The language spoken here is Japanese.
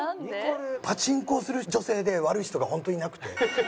パチンコをする女性で悪い人がホントいなくて。